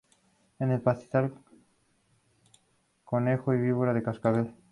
En el pastizal: conejo y víbora de cascabel.